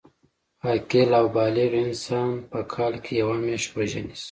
عاقل او بالغ انسان په کال کي یوه میاشت روژه نیسي